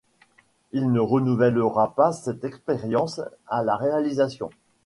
Il ne renouvellera pas cette expérience à la réalisation.